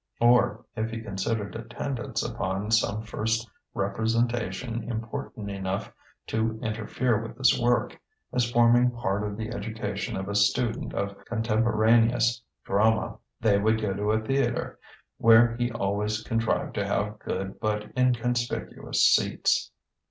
Or if he considered attendance upon some first representation important enough to interfere with his work, as forming part of the education of a student of contemporaneous drama, they would go to a theatre, where he always contrived to have good but inconspicuous seats.